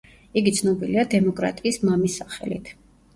იგი ცნობილია „დემოკრატიის მამის“ სახელით.